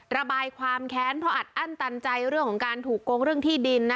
ระบายความแค้นเพราะอัดอั้นตันใจเรื่องของการถูกโกงเรื่องที่ดิน